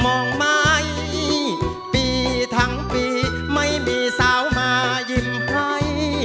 มองไหมปีทั้งปีไม่มีสาวมายิ้มให้